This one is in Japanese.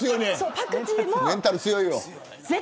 メンタル強いね。